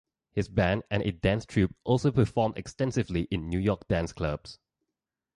His band and a dance troupe also performed extensively in New York dance clubs.